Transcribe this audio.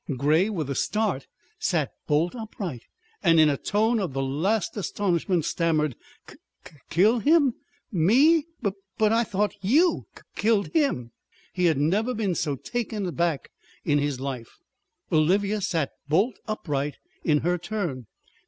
Grey, with a start, sat bolt upright, and in a tone of the last astonishment stammered: "K K Kill him? Me? B B But I thought you k k killed him!" He had never been so taken aback in his life. Olivia sat bolt upright in her turn.